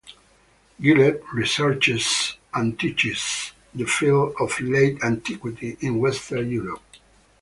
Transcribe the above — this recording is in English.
Gillett researches and teaches the field of Late Antiquity in Western Europe.